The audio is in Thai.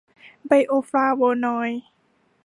ไบโอฟลาโวนอยด์